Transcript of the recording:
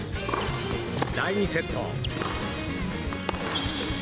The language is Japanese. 第２セット。